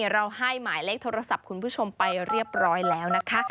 เราให้หมายเลขโทรศัพท์คุณผู้ชมไปเรียบร้อยแล้วนะคะ